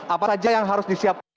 apa saja yang harus disiapkan